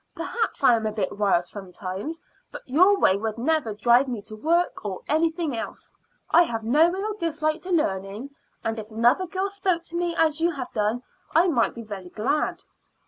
Perhaps I am a bit wild sometimes, but your way would never drive me to work or anything else. I have no real dislike to learning, and if another girl spoke to me as you have done I might be very glad."